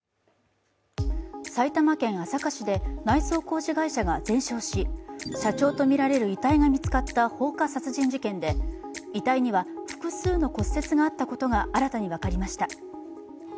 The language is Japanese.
埼玉県朝霞市で内装工事会社が全焼し社長とみられる遺体が見つかった放火殺人事件で遺体には、複数の骨折があったことが新たに分かりました。